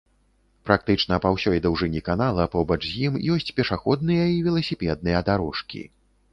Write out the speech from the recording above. Практычна па ўсёй даўжыні канала побач з ім ёсць пешаходныя і веласіпедныя дарожкі.